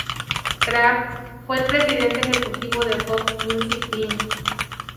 Kraft fue el presidente ejecutivo de Fox Music Inc.